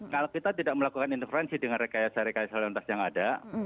kalau kita tidak melakukan intervensi dengan rekayasa rekayasa lalu lintas yang ada